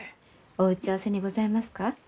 お打ち合わせにございますか？